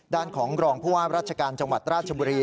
ด้านของรองผู้ว่าราชการจังหวัดราชบุรี